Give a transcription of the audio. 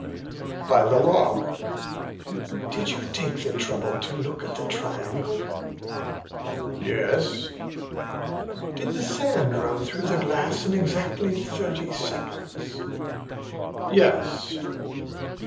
"By the log." "Did you take the trouble to look at the triangle?" "Yes." "Did the sand run through the glass in exactly thirty seconds?" "Yes."